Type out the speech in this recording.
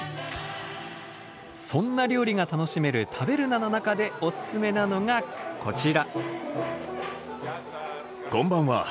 そんな料理が楽しめるタベルナの中でオススメなのがこちら。